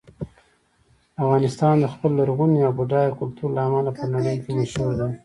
افغانستان د خپل لرغوني او بډایه کلتور له امله په نړۍ کې مشهور دی.